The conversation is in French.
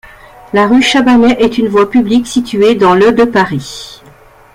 La rue Chabanais est une voie publique située dans le de Paris.